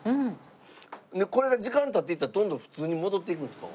これが時間経っていったらどんどん普通に戻っていくんですか？